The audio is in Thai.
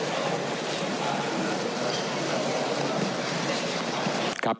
ขอบคุณคุณพิธามากครับ